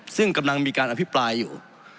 ซึ่งกำลังมีการอภิปรายอยู่